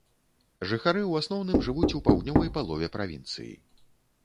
Жыхары ў асноўным жывуць у паўднёвай палове правінцыі.